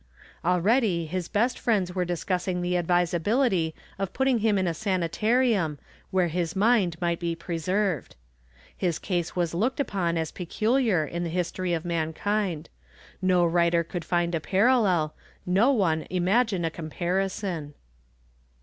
Already his best friends were discussing the advisability of putting him in a sanitarium where his mind might be preserved. His case was looked upon as peculiar in the history of mankind; no writer could find a parallel, no one imagine a comparison.